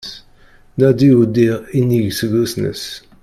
Nadi udiɣ inig seg usnas